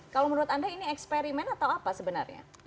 kalau menurut anda ini eksperimen atau apa sebenarnya